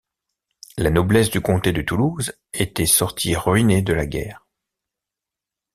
La noblesse du comté de Toulouse était sortie ruinée de la guerre.